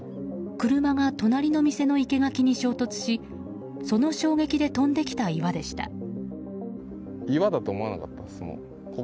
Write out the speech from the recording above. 車が隣の店の生け垣に衝突しその衝撃で飛んできた岩でした。